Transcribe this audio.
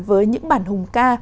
với những bản hùng ca